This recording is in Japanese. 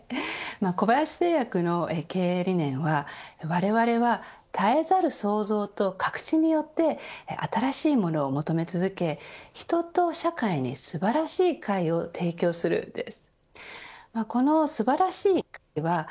小林製薬の経営理念はわれわれは絶えざる創造と確信によって新しいものを求め続け人と社会に素晴らしい快を提供するです。